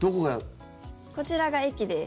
こちらが駅です。